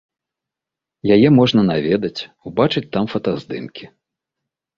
Яе можна наведаць, убачыць там фотаздымкі.